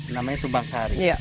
namanya sumbang sari